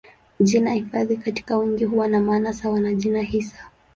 Jina hifadhi katika wingi huwa na maana sawa na jina hisa.